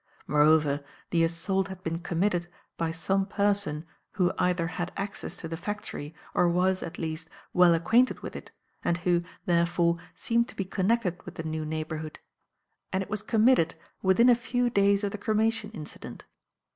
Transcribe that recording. Moreover, the assault had been committed by some person who either had access to the factory or was, at least, well acquainted with it and who, therefore, seemed to be connected with the new neighbourhood; and it was committed within a few days of the cremation incident.